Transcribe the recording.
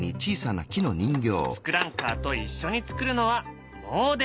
ツクランカーと一緒に作るのは「もおでる」。